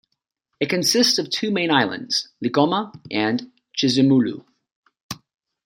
It consists of two main islands, Likoma and Chizumulu.